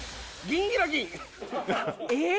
えっ？